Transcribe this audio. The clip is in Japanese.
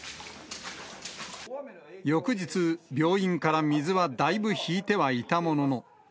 翌日、病院から水はだいぶ引いてはいたものの。